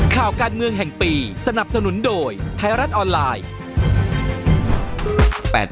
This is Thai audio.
ข่าวการเมืองแห่งปีสนับสนุนโดยไทยรัฐออนไลน์